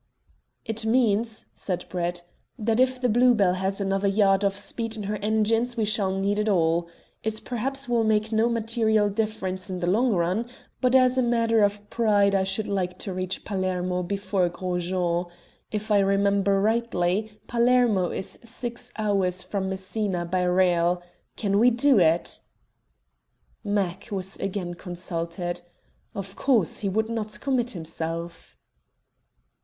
"It means," said Brett, "that if the Blue Bell has another yard of speed in her engines we shall need it all. It perhaps will make no material difference in the long run, but as a mere matter of pride I should like to reach Palermo before Gros Jean. If I remember rightly, Palermo is six hours from Messina by rail. Can we do it?" "Mac" was again consulted. Of course he would not commit himself.